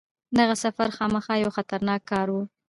دغه سفر خامخا یو خطرناک کار وو.